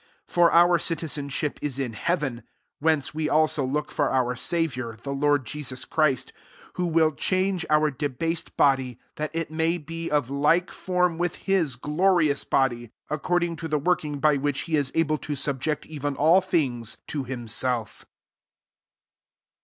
20 For our citi zenship is in heaven ; whence we also look for our Saviour, the Lord Jesus Christ ; 2t who will change our debased body, that it may be of like form with his glorious body, according to the working by which he is able to subject even all things to himself.